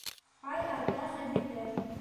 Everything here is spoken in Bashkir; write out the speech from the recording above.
Ай ата Ғәбиҙә...